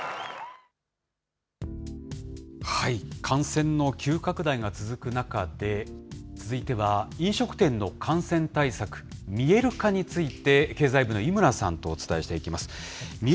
感染の急拡大が続く中で、続いては、飲食店の感染対策、見える化について、経済部の井村さんとお伝えしていきます。